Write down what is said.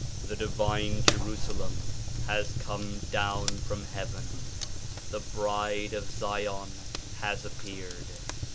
The divine Jerusalem has come down from heaven. The bride of Zion has appeared.